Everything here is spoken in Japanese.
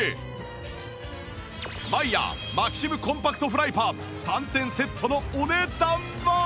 マイヤーマキシムコンパクトフライパン３点セットのお値段は？